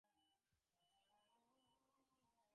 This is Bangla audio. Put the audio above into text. অন্য কিছু অপেক্ষা ইচ্ছাশক্তির প্রভাব অধিক।